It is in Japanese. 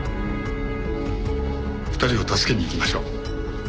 ２人を助けに行きましょう。